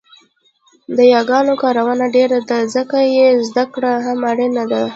د یاګانو کارونه ډېره ده ځکه يې زده کړه هم اړینه ده